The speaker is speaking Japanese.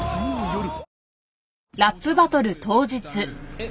えっ？